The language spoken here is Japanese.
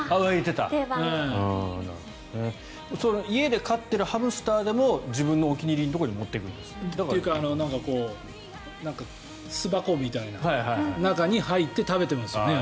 家で飼っているハムスターでも自分のお気に入りのところに持っていくんですって。というか巣箱みたいな中に入って食べてますよね。